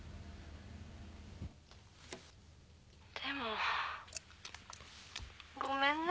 でもごめんね。